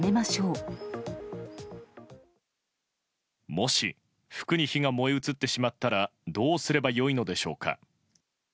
もし服に火が燃え移ってしまったらどうすればよいのでしょうか？